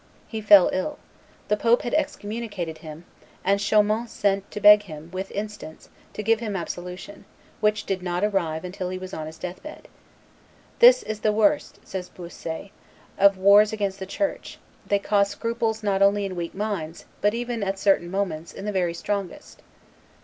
He fell ill: the pope had excommunicated him; and Chaumont sent to beg him, with instance, to give him absolution, which did not arrive until he was on his death bed. "This is the worst," says Bossuet, "of wars against the Church; they cause scruples not only in weak minds, but even, at certain moments, in the very strongest."